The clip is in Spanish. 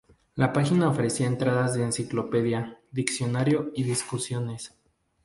La página ofrecía entradas de enciclopedia, diccionario y discusiones.